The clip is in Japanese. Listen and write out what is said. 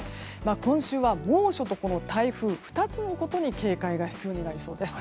今週は猛暑と台風２つのことに警戒が必要になりそうです。